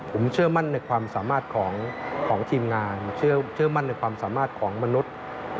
ผมเชื่อมั่นในความสามารถของทีมงานเชื่อมั่นในความสามารถของมนุษย์